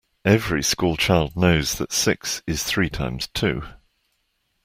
Every school child knows that six is three times two